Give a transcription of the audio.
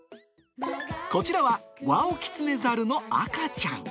こちらはワオキツネザルの赤ちゃん。